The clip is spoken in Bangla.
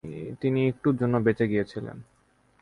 তিনি একটুর জন্য বেঁচে গিয়েছিলেন।